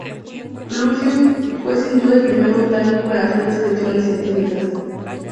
Clusius fue sin duda el primer botánico en hacer descripciones científicas.